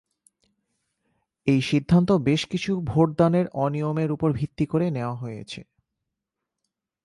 এই সিদ্ধান্ত বেশ কিছু ভোটদানের অনিয়মের উপর ভিত্তি করে নেওয়া হয়েছে।